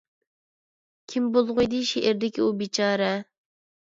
كىم بولغىيدى شېئىردىكى ئۇ بىچارە؟